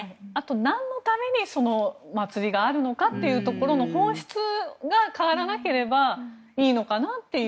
なんのためにその祭りがあるのかという本質が変わらなければいいのかなという。